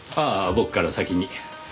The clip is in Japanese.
ああ僕から先に。